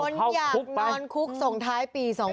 คนอยากนอนคุกส่งท้ายปี๒๕๖